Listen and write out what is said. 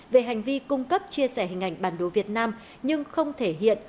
về hành vi cung cấp chia sẻ hình ảnh bản đồ việt nam nhưng không thể hiện